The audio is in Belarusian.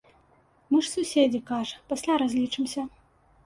Мы ж суседзі, кажа, пасля разлічымся.